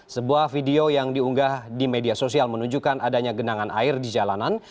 sebuah video yang diunggah di media sosial menunjukkan adanya genangan air di jalanan